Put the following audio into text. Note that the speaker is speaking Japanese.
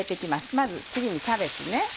まず次にキャベツね。